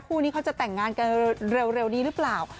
คู่นี้เขาจะแต่งงานกันเร็วนี้หรือเปล่า